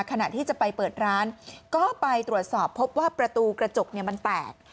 ขณะที่จะไปเปิดร้านก็ไปตรวจสอบพบว่าประตูกระจกมันแตก